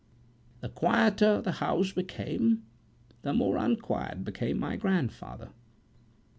The quieter the house became, the more unquiet became my grandfather.